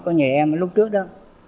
có nhiều em ấy lúc trước đó